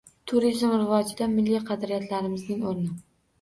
Turizm rivojida milliy qadriyatlarimizning o‘rni